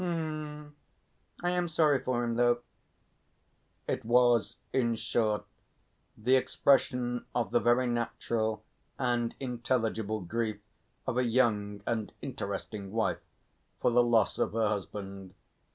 "Hm!... I am sorry for him, though." It was, in short, the expression of the very natural and intelligible grief of a young and interesting wife for the loss of her husband.